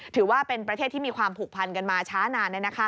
ถือว่าเป็นประเทศที่มีความผูกพันกันมาช้านาน